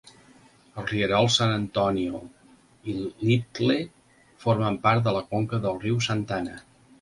Els rierols San Antonio i Lytle formen part de la conca del riu Santa Ana.